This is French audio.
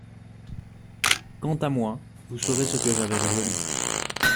Quant à moi, vous saurez ce que j'avais résolu.